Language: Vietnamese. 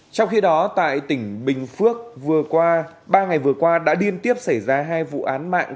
trong khi đó tại tỉnh bình phước ba ngày vừa qua đã điên tiếp xảy ra hai vụ án mạng